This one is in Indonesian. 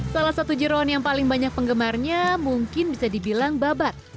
salah satu jerawan yang paling banyak penggemarnya mungkin bisa dibilang babat